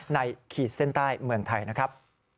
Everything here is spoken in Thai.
ขีดเส้นใต้เมืองไทยนะครับ